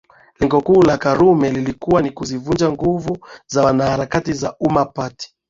Lengo kuu la Karume lilikuwa ni kuzivunja nguvu za wanaharakati wa Umma Party